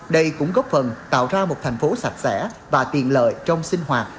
đây cũng góp phần tạo ra một thành phố sạch sẽ và tiện lợi trong sinh hoạt